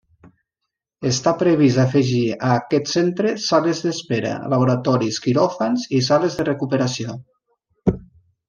Està previst afegir a aquest centre; sales d'espera, laboratoris, quiròfans, i sales de recuperació.